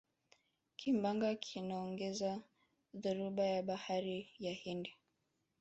kimbunga kinaongeza dhoruba ya bahari ya hindi